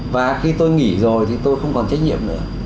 và khi tôi nghỉ rồi thì tôi không còn trách nhiệm nữa